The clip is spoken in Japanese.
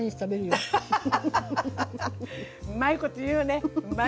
うまいこと言うよね